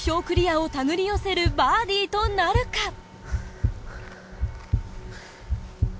クリアをたぐり寄せるバーディとなるか。